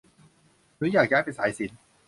หนูอยากย้ายไปสายศิลป์